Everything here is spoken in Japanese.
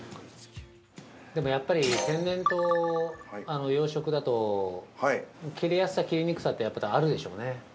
でも、やっぱり天然と養殖だと切れやすさ切れにくさってあるでしょうね。